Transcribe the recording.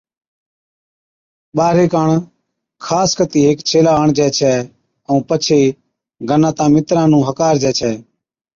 ٻارھي ڪاڻ خاص ڪتِي ھيڪ ڇيلا آڻجي ڇَي، ائُون پڇي گناتان، مِتران نُون ھڪارجَي ڇَي